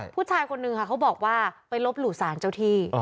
ผู้ชายคนนึงค่ะเขาบอกว่าไปลบหลู่สารเจ้าที่